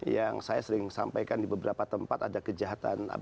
yang saya sering sampaikan di beberapa tempat ada kejahatan